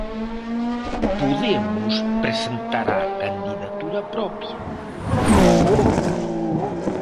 Podemos presentará candidatura propia?